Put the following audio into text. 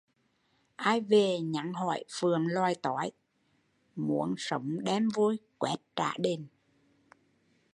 Ai về nhắn hỏi phường lòi tói, muốn sống đem vôi quét trả đền